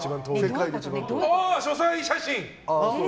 書斎写真！